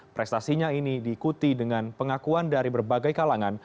prestasinya ini diikuti dengan pengakuan dari berbagai kalangan